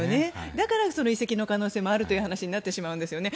だから移籍の可能性もあるという話になってしまうんですよね。